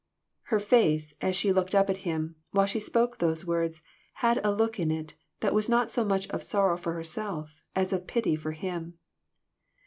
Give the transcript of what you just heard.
Her face, as she looked up at him, while she spoke those words, had a look in it that was not so much of sorrow for herself, as of pity for him.